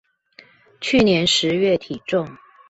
去年十月體重